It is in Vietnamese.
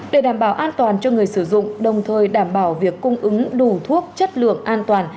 để đảm bảo an toàn cho người sử dụng đồng thời đảm bảo việc cung ứng đủ thuốc chất lượng an toàn